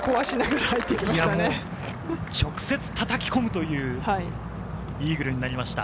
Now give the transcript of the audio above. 直接叩き込むというイーグルになりました。